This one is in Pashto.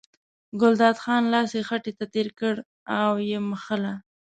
ګلداد خان لاس خېټې ته تېر کړ او یې مښله.